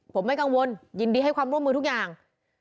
ผมไม่กังวลยินดีให้ความร่วมมือทุกอย่าง